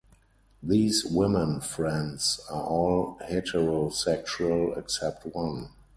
These women friends are all heterosexual except one.